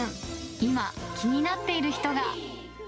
今、気になっている人が。